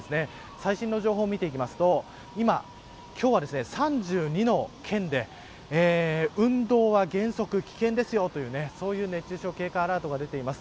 最新情報を見ていくと今日は３２の県で運動は原則危険ですよという熱中症警戒アラートが出ています。